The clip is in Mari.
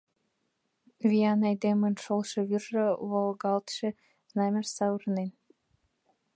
Виян айдемын шолшо вӱржӧ Волгалтше знамяш савырнен.